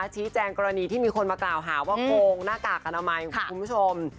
ชี้แจงกรณีที่มีคนมากล่าวหาว่าโกงหน้ากากอนามัยคุณผู้ชม